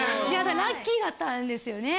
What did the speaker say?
ラッキーだったんですよね。